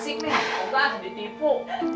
inilah tujuan terbaik mengaulu